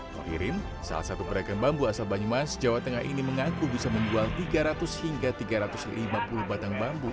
hoirin salah satu pedagang bambu asal banyumas jawa tengah ini mengaku bisa menjual tiga ratus hingga tiga ratus lima puluh batang bambu